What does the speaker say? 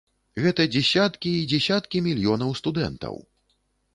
Гэта дзесяткі і дзесяткі мільёнаў студэнтаў!